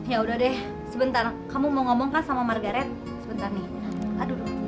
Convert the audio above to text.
ya udah deh sebentar kamu mau ngomong kan sama margaret sebentar nih aduh